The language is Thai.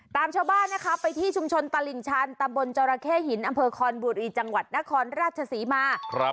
ตามชาวบ้านนะคะไปที่ชุมชนตลิ่งชันตำบลจรเข้หินอำเภอคอนบุรีจังหวัดนครราชศรีมา